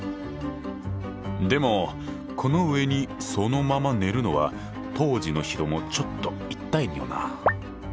でもこの上にそのまま寝るのは当時の人もちょっと痛いよな。